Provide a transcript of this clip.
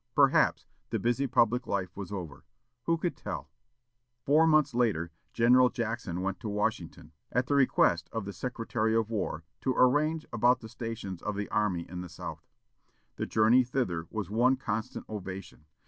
Perhaps the busy public life was over who could tell? Four months later, General Jackson went to Washington, at the request of the Secretary of War, to arrange about the stations of the army in the South. The journey thither was one constant ovation.